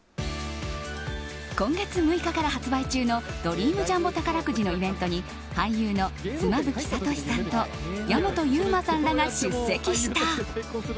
今月６日から発売中のドリームジャンボ宝くじのイベントに俳優の妻夫木聡さんと矢本悠馬さんらが出席した。